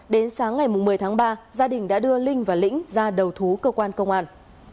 đến sáng ngày một mươi tháng ba gia đình đã đưa linh và lĩnh ra đầu thú cơ quan công an